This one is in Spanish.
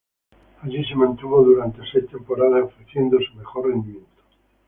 Allí se mantuvo durante seis temporadas ofreciendo su mejor rendimiento.